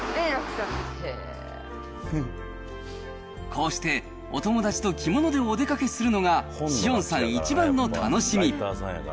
こうして、お友達と着物でお出かけするのが、紫苑さん一番の楽しみ。